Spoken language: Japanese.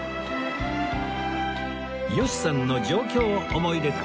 吉さんの上京思い出旅